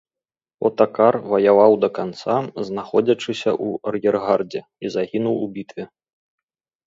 Отакар ваяваў да канца, знаходзячыся ў ар'ергардзе, і загінуў у бітве.